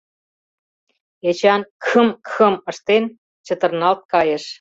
Эчан, кхым-кхым ыштен, чытырналт кайыш.